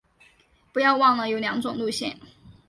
不要忘了有两种路线